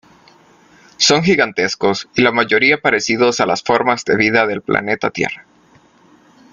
Son gigantescos y la mayoría parecidos a las formas de vida del planeta Tierra.